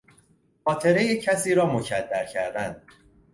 خاطرهی کسی را مکدر کردن